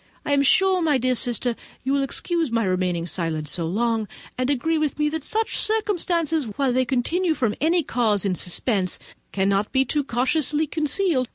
I am sure, my dear sister, you will excuse my remaining silent so long, and agree with me that such circumstances, while they continue from any cause in suspense, cannot be too cautiously concealed.